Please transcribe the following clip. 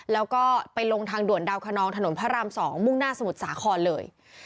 แล้วก็ไปลงทางด่วนดาวคนนองถนนพระราม๒มุ่งหน้าสมุทรสาครเลย